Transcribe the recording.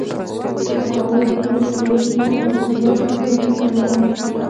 پخوانۍ پېښې یې چا تصور نه شو کولای.